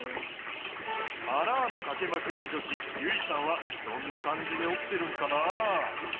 アラームかけまくり女子ゆいさんはどんな感じで起きてるんかな？